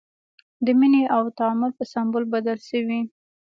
د مینې او تعامل په سمبول بدل شوی.